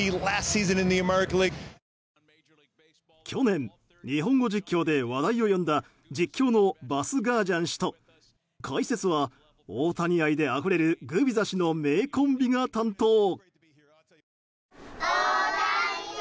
去年、日本語実況で話題を呼んだ実況のバスガージャン氏と解説は大谷愛であふれるグビザ氏の名コンビが担当。